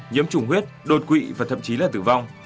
nhiễm trùng huyết đột quỵ và thậm chí là tử vong